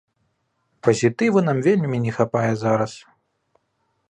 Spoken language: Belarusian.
Пазітыву нам вельмі не хапае зараз!